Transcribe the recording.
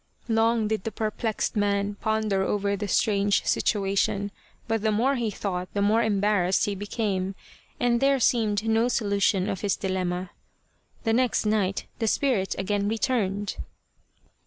Long did the perplexed man ponder over the strange situation, but the more he thought the more em barrassed he became : and there seemed no solution of his dilemma. The next night the spirit again returned.